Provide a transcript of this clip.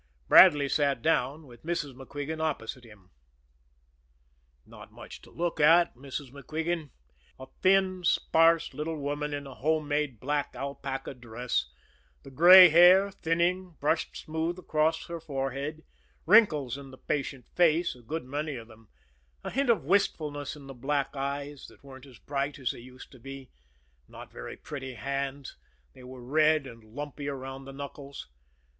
Bradley sat down, with Mrs. MacQuigan opposite him. Not much to look at Mrs. MacQuigan. A thin, sparse little woman in a home made black alpaca dress; the gray hair, thinning, brushed smooth across her forehead; wrinkles in the patient face, a good many of them; a hint of wistfulness in the black eyes, that weren't as bright as they used to be; not very pretty hands, they were red and lumpy around the knuckles.